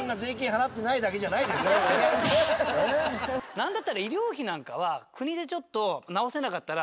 何だったら医療費なんかは国でちょっと治せなかったら。